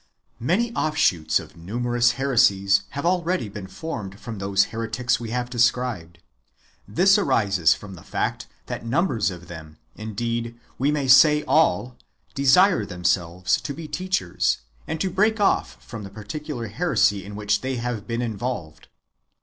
Many offshoots of numerous heresies have already been formed from those heretics we have described. This arises from the fact that numbers of them — indeed, we may say all — desire themselves to be teachers, and to break off from the particular heresy in which have been involved.